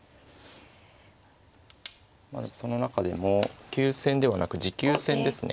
その中でも急戦ではなく持久戦ですね。